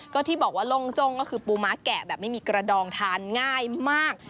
ก็ที่บอกว่าลงจ้งก็คือปูม้าแกะแบบไม่มีกระดองทานง่ายมาก